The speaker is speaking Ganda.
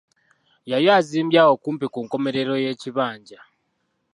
Yali azimbye awo kumpi ku nkomerero y'ekibanja.